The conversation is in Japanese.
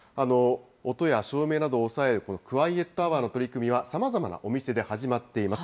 音や照明などを抑えるクワイエットアワーの取り組みは、さまざまなお店で始まっています。